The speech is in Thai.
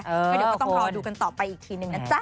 ก็เดี๋ยวก็ต้องรอดูกันต่อไปอีกทีหนึ่งนะจ๊ะ